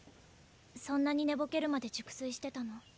そんなに寝ぼけるまで熟睡してたの？